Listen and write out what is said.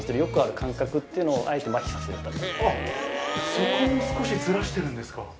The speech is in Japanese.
そこを少しずらしてるんですか！